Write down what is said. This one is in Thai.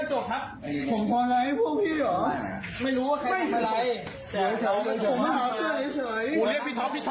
โทษไปที่สุพธิแบบนี้